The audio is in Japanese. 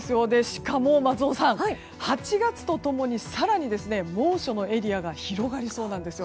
しかも松尾さん８月と共に更に猛暑のエリアが広がりそうなんです。